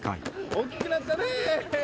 大きくなったね。